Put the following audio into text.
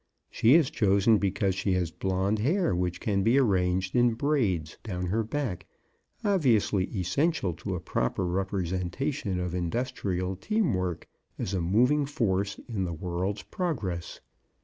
She is chosen because she has blonde hair which can be arranged in braids down her back, obviously essential to a proper representation of industrial team work as a moving force in the world's progress.